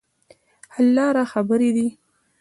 حل لاره خبرې دي.